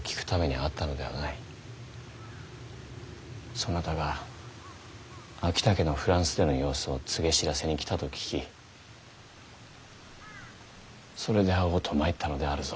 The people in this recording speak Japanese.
そなたが昭武のフランスでの様子を告げ報せに来たと聞きそれで会おうと参ったのであるぞ。